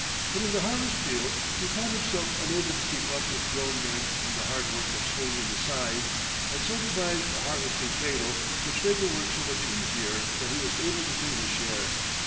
But in the harvest field, he found himself unable to keep up with grown men in the hard work of swinging the scythe, and so devised a harvesting cradle, which made the work so much easier that he was able to do his share.